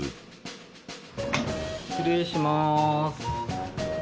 失礼しまーす。